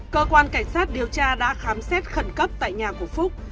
cơ quan cảnh sát điều tra đã khám xét khẩn cấp tại nhà của phúc